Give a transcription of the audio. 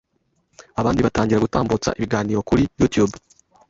abandi batangira gutambutsa ibiganiro kuri YouTube